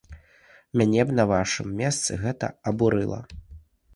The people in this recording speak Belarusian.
Мяне б на вашым месцы гэта абурыла.